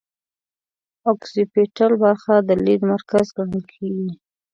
اکسیپیټل برخه د لید مرکز ګڼل کیږي